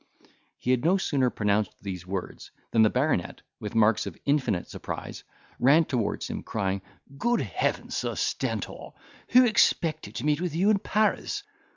He had no sooner pronounced these words, than the baronet, with marks of infinite surprise, ran towards him, crying, "Good Heaven! Sir Stentor, who expected to meet with you in Paris?"